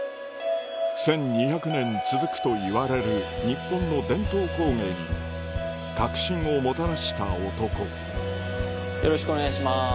１２００年続くといわれる日本の伝統工芸に革新をもたらした男よろしくお願いします。